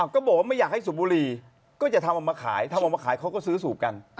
ก็บอกว่าไม่อยากให้สูบบุหรี่ก็อย่าทำออกมาขายทำออกมาขายเขาก็ซื้อสูบกัน